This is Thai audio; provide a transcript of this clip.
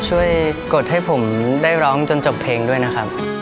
กดให้ผมได้ร้องจนจบเพลงด้วยนะครับ